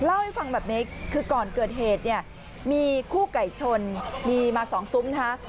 เล่าให้ฟังแบบนี้คือก่อนเกิดเหตุเนี่ยมีคู่ไก่ชนมีมา๒ซุ้มนะคะ